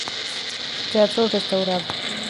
Teatro Restaurado.